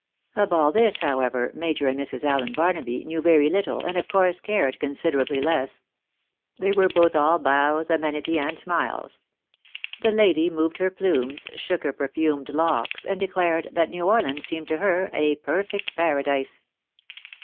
Of all this, however, Major and Mrs. Allen Barnaby knew very little, and of course, cared considerably less. They were both aU bows, amenity, and smiles. The lady moved her plumes, shook her perfumed locks, and declared that New Orleans seemed to her a perfect paradise.